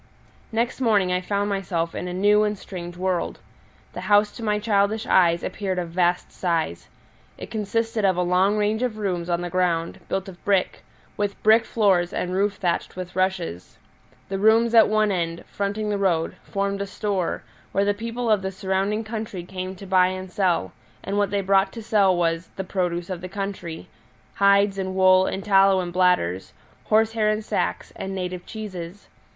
Next morning I found myself in a new and strange world. The house to my childish eyes appeared of vast size: it consisted of a long range of rooms on the ground, built of brick, with brick floors and roof thatched with rushes. The rooms at one end, fronting the road, formed a store, where the people of the surrounding country came to buy and sell, and what they brought to sell was "the produce of the country" hides and wool and tallow in bladders, horsehair in sacks, and native cheeses.